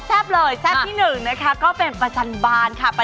เพราะมันแซ่บมากเลยน่ะ